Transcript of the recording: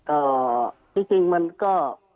ที่จริงมันก็